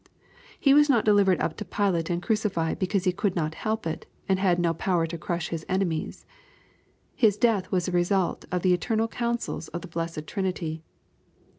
He was not delivered up to Pilate and cruci fied because He could not help it, and had no powei to crush His enemies. His death was the result of the eternal counsels of the blessed Trinity.